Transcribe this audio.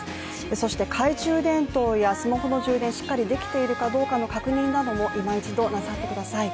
そして懐中電灯やスマホの充電しっかりできているかの確認を今一度、なさってください。